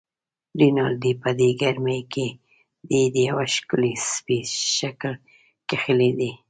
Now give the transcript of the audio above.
رینالډي: په دې ګرمۍ کې دې د یوه ښکلي سپي شکل کښلی دی.